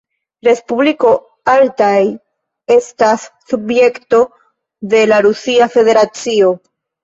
Respubliko Altaj' estas subjekto de la Rusia Federacio.